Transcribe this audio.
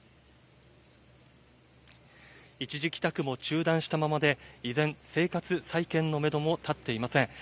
一時帰宅も中断したままで、依然、生活再建のメドも立っていません。